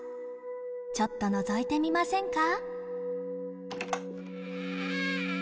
ちょっとのぞいてみませんか。